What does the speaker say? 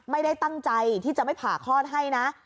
ไม่ได้ตั้งใจที่จะไม่ผ่าคลอดให้นะ